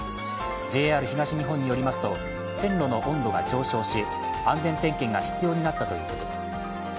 ＪＲ東日本によりますと、線路の温度が上昇し、安全点検が必要になったということです。